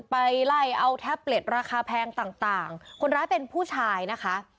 ไปไล่เอาแท็บเล็ตราคาแพงต่างต่างคนร้ายเป็นผู้ชายนะคะ